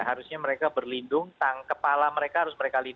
harusnya mereka berlindung tang kepala mereka harus mereka lindungi